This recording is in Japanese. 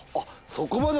そこまで。